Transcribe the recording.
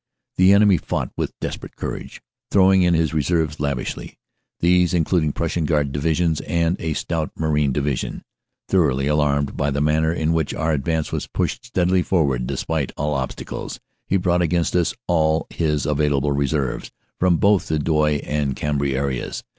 The enemy fought with desperate courage, throwing in his reserves lavishly, these including Prussian Guard divisions and a stout Marine division. Thoroughly alarmed by the manner in which our advance was pushed steadily forward despite all obstacles, he brought against us all his available reserves, from both the Douai and Cambrai areas.